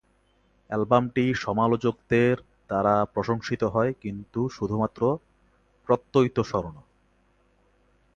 অ্যালবামটি সমালোচকদের দ্বারা প্রশংসিত হয়, কিন্তু শুধুমাত্র প্রত্যয়িত স্বর্ণ।